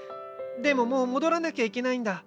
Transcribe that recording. でももう戻らなきゃいけないんだ。